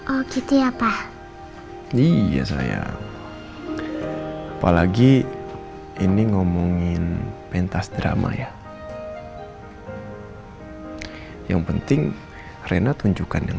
oh gitu ya pak iya sayang apalagi ini ngomongin pentas drama ya yang penting rena tunjukkan yang